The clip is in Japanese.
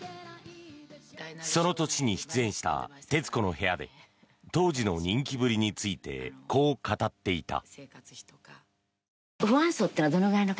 その年に出演した「徹子の部屋」で当時の人気ぶりについてこう語っていた。